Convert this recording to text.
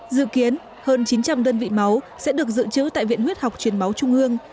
dự kiến hơn chín trăm linh đơn vị máu sẽ được dự trữ tại viện huyết học truyền máu trung ương